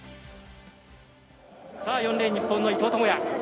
４レーン日本の伊藤智也。